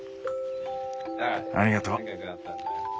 ありがとう。